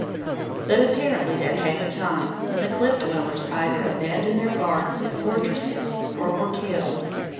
But apparently there came a time when the Cliff Dwellers either abandoned their gardens and fortresses or were killed.